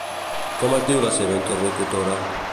Com es diu la seva interlocutora?